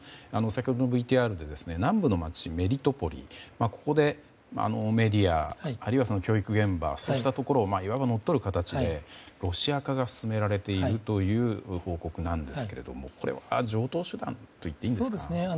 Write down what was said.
先ほどのＶＴＲで南部の街メリトポリここでメディア、あるいは教育現場といったところをいわば乗っ取る形でロシア化が進められているという報告なんですが、これは常套手段といっていいですか？